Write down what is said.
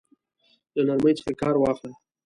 له نرمۍ څخه كار واخله!